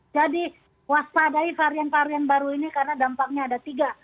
jadi waspadai varian varian baru ini karena dampaknya ada tiga